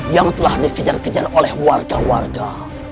yang telah dikejar kejar oleh warga warga